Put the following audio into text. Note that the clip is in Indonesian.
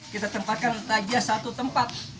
kita tempatkan taja satu tempat